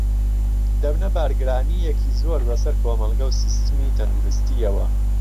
دەبنە بارگرانییەکی زۆر بەسەر کۆمەڵگە و سیستمی تەندروستییەوە